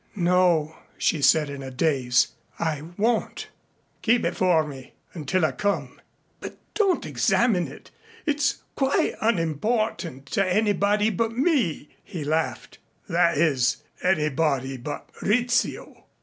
"No," she said in a daze, "I won't." "Keep it for me, until I come. But don't examine it. It's quite unimportant to anybody but me " he laughed, "that is, anybody but Rizzio."